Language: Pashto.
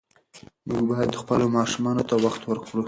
موږ باید خپلو ماشومانو ته وخت ورکړو.